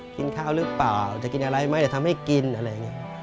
กินข้าวหรือเปล่าจะกินอะไรไหมจะทำให้กินอะไรอย่างนี้